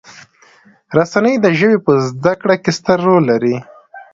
رسنۍ د ژبې په زده کړې کې ستر رول لري.